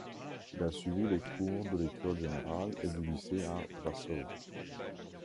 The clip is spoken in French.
Il a suivi les cours de l’école générale et du lycée à Brașov.